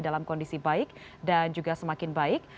dalam kondisi baik dan juga semakin baik